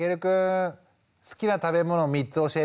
好きな食べ物３つ教えて。